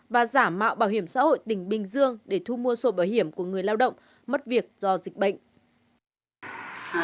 và giả mạo bảo hiểm xã hội tỉnh bình dương để thu mua sổ bảo hiểm của người lao động mất việc do dịch bệnh